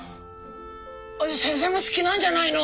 先生も好きなんじゃないの？